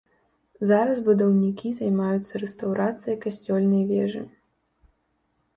Зараз будаўнікі займаюцца рэстаўрацыяй касцёльнай вежы.